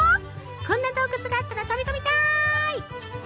こんな洞窟があったら飛び込みたい！